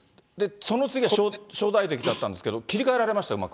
その次は正代関だったんですけど、切り替えられました？